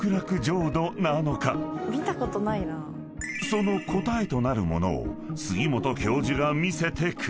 ［その答えとなるものを杉本教授が見せてくれた］